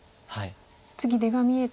次出が見えて。